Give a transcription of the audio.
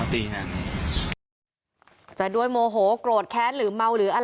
แต่ด้วยโมโหโกรธแค้นหรือเมาหรือไม่ช่วย